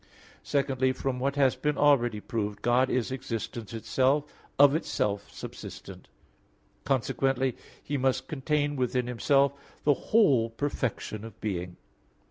Secondly, from what has been already proved, God is existence itself, of itself subsistent (Q. 3, A. 4). Consequently, He must contain within Himself the whole perfection of being.